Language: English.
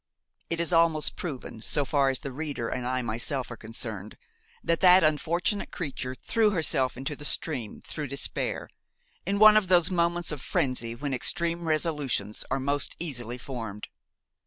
It is almost proven, so far as the reader and I myself are concerned, that that unfortunate creature threw herself into the stream through despair, in one of those moments of frenzy when extreme resolutions are most easily formed.